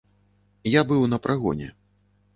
Я быў на прагоне.